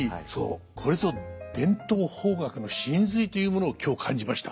これぞ伝統邦楽の神髄というものを今日感じました。